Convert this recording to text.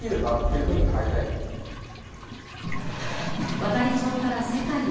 亘理町から世界へ。